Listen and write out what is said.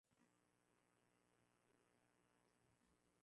Wastahili heshima zote.